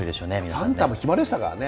サンタも暇でしたからね。